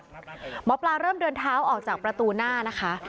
อยู่ข้างกำแพงวัดหมอปลาเริ่มเดินเท้าออกจากประตูหน้านะคะ